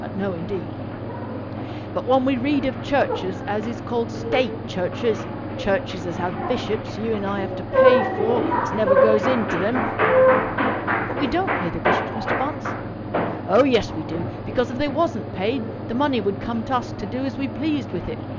"No, indeed." "But when we read of Churches as is called State Churches, Churches as have bishops you and I have to pay for, as never goes into them " "But we don't pay the bishops, Mr. Bunce." "Oh yes, we do; because, if they wasn't paid, the money would come to us to do as we pleased with it.